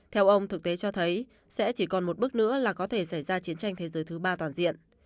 theo ông thực tế cho thấy sẽ chỉ còn một bước nữa là có thể xảy ra chiến tranh thế giới thứ ba toàn diện